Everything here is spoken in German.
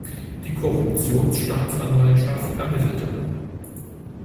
Die Korruptionsstaatsanwaltschaft ermittelte.